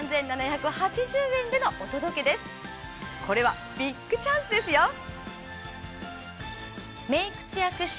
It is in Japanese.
これはビッグチャンスですよ。